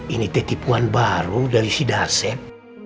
ini teh tipuan baru dari si darsep